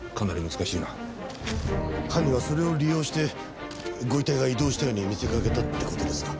犯人はそれを利用してご遺体が移動したように見せかけたって事ですか？